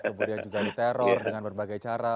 kemudian juga diteror dengan berbagai cara